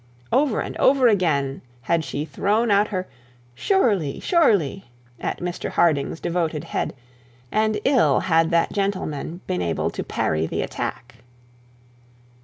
Over and over again had she thrown out her 'surely, surely,' at Mr Harding's devoted head, and ill had that gentleman been able to parry the attack.